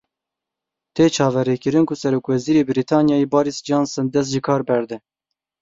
Tê çaverêkirin ku Serokwezîrê Brîtanyayê Boris Johnson dest ji kar berde.